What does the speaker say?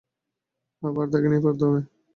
আবার তাকে নিয়ে পড়তে হবে!